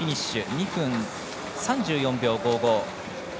２分３４秒５５。